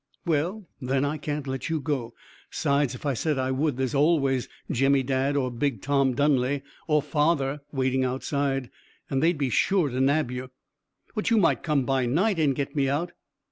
"Well, then, I can't let you go. 'Sides, if I said I would, there's always Jemmy Dadd, or big Tom Dunley, or father waiting outside, and they'd be sure to nab you." "But you might come by night and get me out."